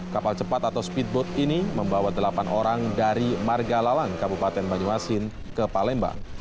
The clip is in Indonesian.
kapal cepat atau speedboat ini membawa delapan orang dari margalalan kabupaten banyuasin ke palembang